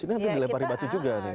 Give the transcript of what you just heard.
ini nanti dilempari batu juga nih